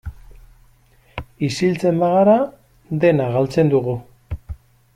Isiltzen bagara dena galtzen dugu.